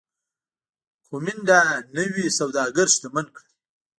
کومېنډا نوي سوداګر شتمن کړل